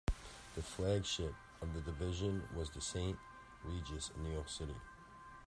The flagship of the division was The Saint Regis in New York City.